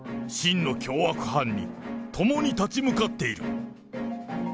真の凶悪犯に共に立ち向かっている。